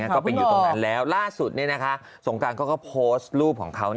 ก็ไปอยู่ตรงนั้นแล้วล่าสุดนี่นะคะสงการก็โพสต์รูปของเขา